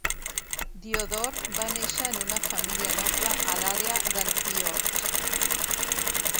Diodore va néixer en una família noble a l'àrea d'Antioch.